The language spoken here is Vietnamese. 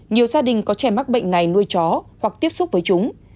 nhiều gia đình có trẻ mắc bệnh này nuôi chó hoặc tiếp xúc với chúng